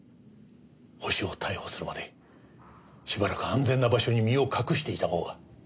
ホシを逮捕するまでしばらく安全な場所に身を隠していた方が。